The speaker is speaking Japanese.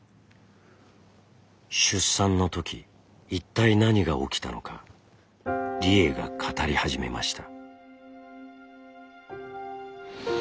出産のとき一体何が起きたのか理栄が語り始めました。